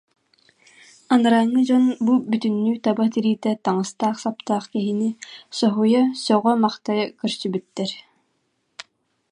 Анарааҥҥы дьон бу бүтүннүү таба тириитэ таҥастаах-саптаах киһини соһуйа, сөҕө-махтайа көрсүбүттэр